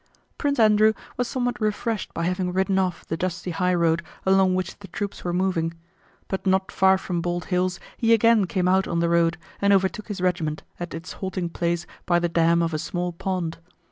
Prince Andrew was somewhat refreshed by having ridden off the dusty highroad along which the troops were moving. But not far from Bald Hills he again came out on the road and overtook his regiment at its halting place by the dam of a small pond.